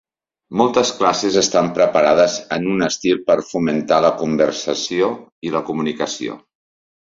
Moltes classes estan preparades en un estil per fomentar la conversació i la comunicació.